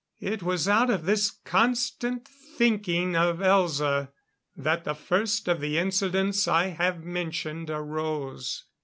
It was out of this constant thinking of Elza that the first of the incidents I have mentioned, arose.